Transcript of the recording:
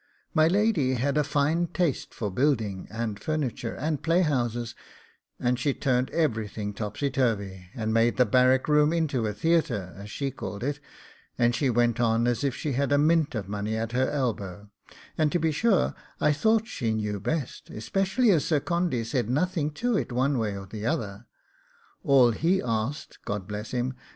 My lady had a fine taste for building, and furniture, and playhouses, and she turned everything topsy turvy, and made the barrack room into a theatre, as she called it, and she went on as if she had a mint of money at her elbow; and to be sure I thought she knew best, especially as Sir Condy said nothing to it one way or the other. All he asked God bless him!